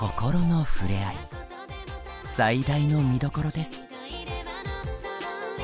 最大の見どころです。